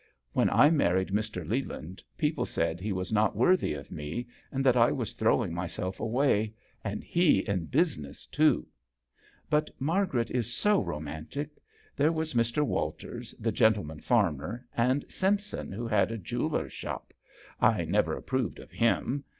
When I married Mr. Leland people said he was not worthy of me, and that I was throwing myself away and he in business, too ! But Mar garet is so romantic. There was Mr. Walters, the gentleman farmer, and Simpson who had a jeweller's shop I never approved of him